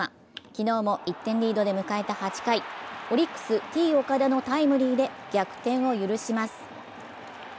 昨日も１点リードで迎えた８回、オリックス・Ｔ−岡田のタイムリーで逆転を許します。